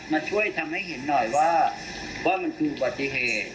มาช่วยทำให้เห็นหน่อยว่ามันคืออุบัติเหตุ